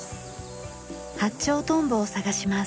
ハッチョウトンボを探します。